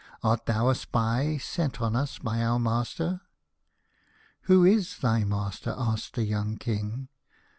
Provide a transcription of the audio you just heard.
Art thou a spy set on us by our master ?"" Who is thy master ?" asked the young King.